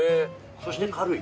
そして軽い。